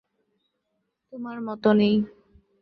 তোমার মত নেই?